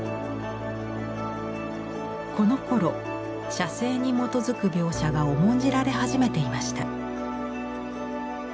このころ写生に基づく描写が重んじられ始めていました。